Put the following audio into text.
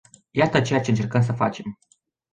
Iată ceea ce încercăm să facem.